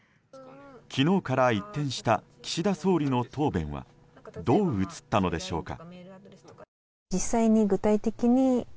昨日から一転した岸田総理の答弁はどう映ったのでしょうか。